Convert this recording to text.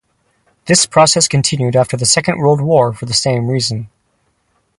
This process continued after the Second World War for the same reason.